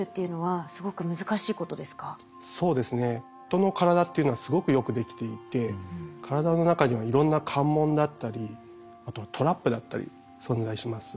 人の体っていうのはすごくよくできていて体の中にはいろんな関門だったりあとはトラップだったり存在します。